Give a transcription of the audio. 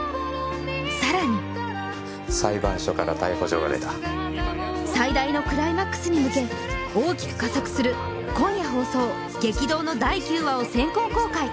さらに裁判所から逮捕状が出た最大のクライマックスに向け大きく加速する今夜放送激動の第９話を先行公開